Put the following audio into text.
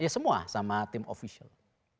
ya semua sama tim official